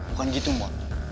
bukan gitu mo